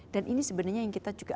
dan ini sebenarnya yang kita juga